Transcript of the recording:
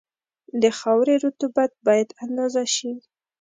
د خاورې رطوبت باید اندازه شي